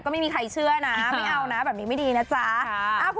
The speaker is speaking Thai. ก็ไม่มีใครเชื่อนะไม่เอานะแบบนี้ไม่ดีนะจ๊ะ